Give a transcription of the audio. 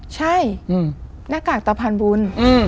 ใช่หน้ากากตาพรรณบุญ